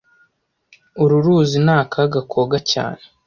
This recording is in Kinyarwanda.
Uru ruzi ni akaga koga cyane